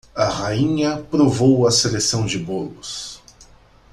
A rainha provou a seleção de bolos.